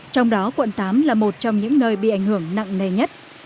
trong đó quận tám là một trong những nơi bị ảnh hưởng nặng nề nhất